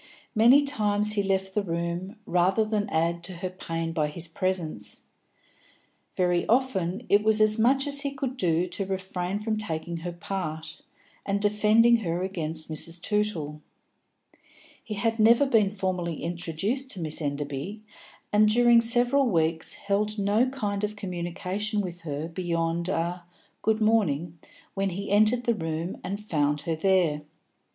Many times he left the room, rather than add to her pain by his presence; very often it was as much as he could do to refrain from taking her part, and defending her against Mrs. Tootle. He had never been formally introduced to Miss Enderby, and during several weeks held no kind of communication with her beyond a "good morning" when he entered the room and found her there.